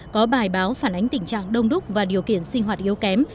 có bài báo phản ánh tình trạng đông đúc và điều kiện sinh hoạt yếu kém